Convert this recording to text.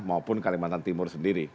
maupun kalimantan timur sendiri